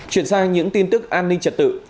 chuyển sang những tin tức an ninh trật tự